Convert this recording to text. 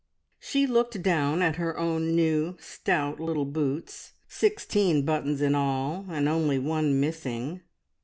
She looked down at her own new, stout, little boots. Sixteen buttons in all, and only one missing!